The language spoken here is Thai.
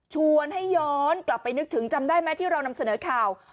ชวนให้ย้อนกลับไปนึกถึงจำได้ไหมที่เรานำเสนอข่าว